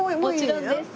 もちろんです。